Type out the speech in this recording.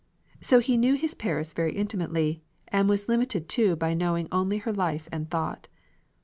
So he knew his Paris very intimately, and was limited too by knowing only her life and thought.